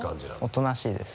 おとなしいです。